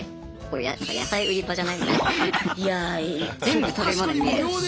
これ野菜売り場じゃない？みたいな。